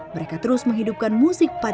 mereka terus menghidupkan musik pacim pan